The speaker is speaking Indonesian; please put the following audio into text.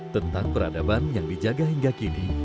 tentang peradaban yang dijaga hingga kini